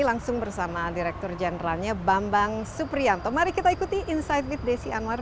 langsung bersama direktur jenderalnya bambang suprianto mari kita ikuti insight with desi anwar